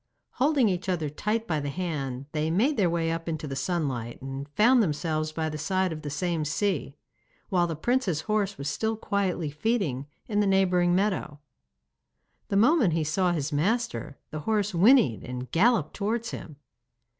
Holding each other tight by the hand, they made their way up into the sunlight, and found themselves by the side of the same sea, while the prince's horse was still quietly feeding in the neighbouring meadow. The moment he saw his master, the horse whinnied and galloped towards him.